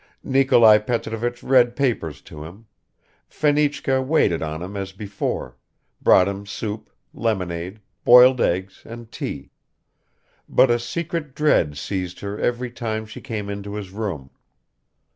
Nikolai Petrovich read papers to him; Fenichka waited on him as before, brought him soup, lemonade, boiled eggs and tea; but a secret dread seized her every time she came into his room.